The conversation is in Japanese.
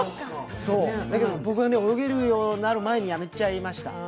だけど僕が泳げるようになる前にやめちゃいました。